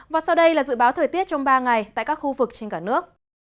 và sau đây là dự báo thời tiết trong ba ngày tại các khu vực trên cả nước